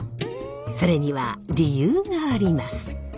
それには理由があります。